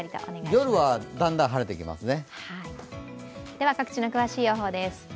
夜はだんだん晴れてきますね。